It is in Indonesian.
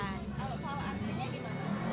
kalau kamu tahu antrenya gimana